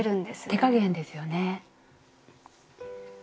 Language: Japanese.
手加減ですよね。